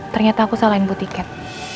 ternyata aku salah input tiket